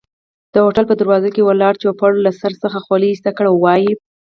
د هوټل په دروازه کې ولاړ چوپړوال له سر څخه خولۍ ایسته کړي وای.